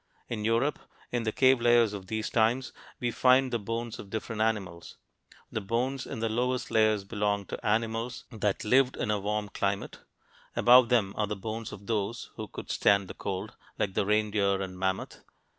In Europe, in the cave layers of these times, we find the bones of different animals; the bones in the lowest layers belong to animals that lived in a warm climate; above them are the bones of those who could stand the cold, like the reindeer and mammoth.